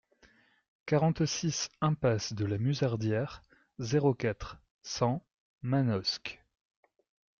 quarante-six impasse de la Musardière, zéro quatre, cent, Manosque